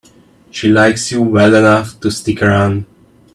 She likes you well enough to stick around.